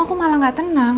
aku malah gak tenang